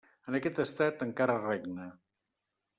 En aquest estat, encara regna.